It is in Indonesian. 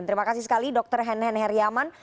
terima kasih sekali dokter hen hen heriaman